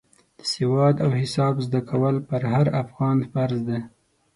د سواد او حساب زده کول پر هر افغان فرض دی.